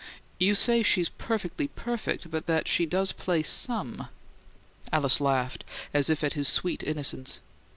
"You say she's perfectly perfect, but that she does play SOME " Alice laughed, as if at his sweet innocence.